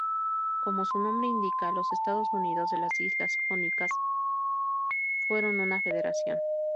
Como su nombre indica, los Estados Unidos de las Islas Jónicas fueron una federación.